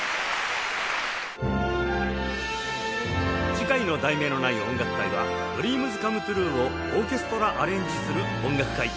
次回の『題名のない音楽会』は「ＤＲＥＡＭＳＣＯＭＥＴＲＵＥ をオーケストラアレンジする音楽会」